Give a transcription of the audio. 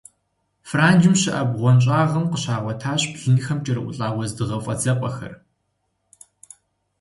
Франджым щыӀэ бгъуэнщӀагъым къыщагъуэтащ блынхэм кӀэрыӀулӀа уэздыгъэ фӀэдзапӀэхэр.